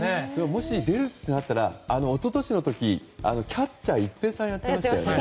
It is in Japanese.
もし出るとなったら一昨日の時、キャッチャーを一平さんがやってましたよね。